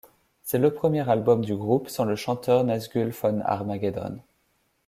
C'est le premier album du groupe sans le chanteur Nazgul von Armageddon.